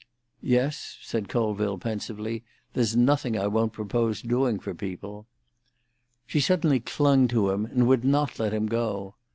"Yes," said Colville pensively; "there's nothing I won't propose doing for people." She suddenly clung to him, and would not let him go.